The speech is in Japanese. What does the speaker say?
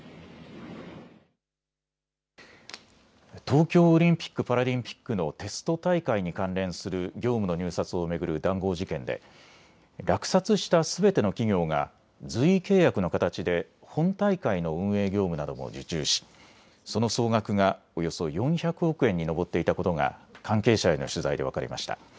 東京オリンピック・パラリンピックのテスト大会に関連する業務の入札を巡る談合事件で落札したすべての企業が随意契約の形で本大会の運営業務なども受注し、その総額がおよそ４００億円に上っていたことが関係者への取材で分かりました。